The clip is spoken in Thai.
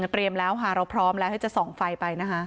แล้วค่ะเราพร้อมแล้วให้จะส่องไฟไปนะคะ